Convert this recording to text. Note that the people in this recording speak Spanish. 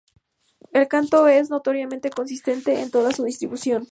El canto es notoriamente consistente en toda su distribución.